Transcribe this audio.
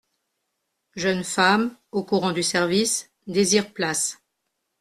Jeune femme, au courant du service, désire place.